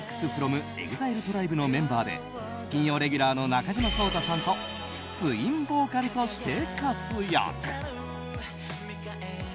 ＦＡＮＴＡＳＴＩＣＳｆｒｏｍＥＸＩＬＥＴＲＩＢＥのメンバーで金曜レギュラーの中島颯太さんとツインボーカルとして活躍。